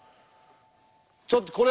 ちょっとこれ！